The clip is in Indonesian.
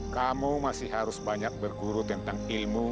kamu masih harus banyak berguru tentang ilmu